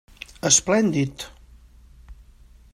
Esplèndid!